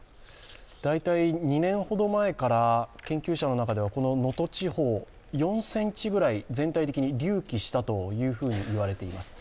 大体２年ほど前から研究者の中では能登地方、４ｃｍぐらい隆起したというふうにいわれています